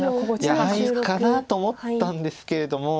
ハイかなと思ったんですけれども。